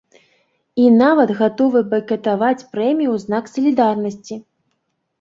І нават гатовы байкатаваць прэмію ў знак салідарнасці.